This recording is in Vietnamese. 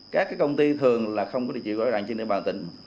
các công ty thường là không có địa chỉ gọi đoạn trên địa bàn tỉnh